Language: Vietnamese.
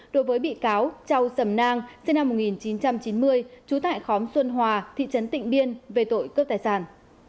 đối với bị cáo châu sầm nang sinh năm một nghìn chín trăm chín mươi trú tại khóm xuân hòa thị trấn tịnh biên về tội cướp tài sản